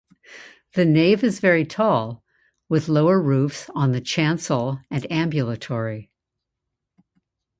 The nave is very tall with lower roofs on the chancel and ambulatory.